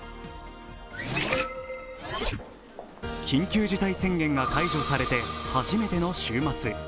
緊急事態宣言が解除されて初めての週末。